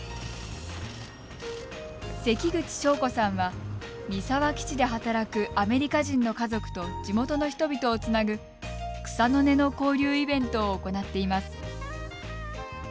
関口正子さんは、三沢基地で働くアメリカ人の家族と地元の人々をつなぐ草の根の交流イベントを行なっています。